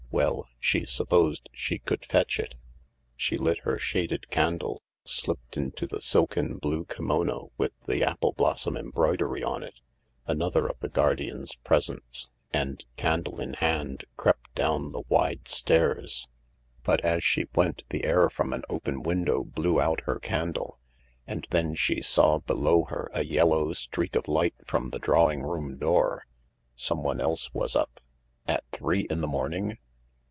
Well, she supposed she could fetch it. She lit her shaded candle, slipped into the silken blue kimono with the apple blossom embroidery on it— another of the guardian's presents— and, candle in hand, crept down the wide stairs. But as she went, the air from an open window blew out her candle. And then she saw below her a yellow streak of light from the drawing room door. Someone else was up. At three in the morning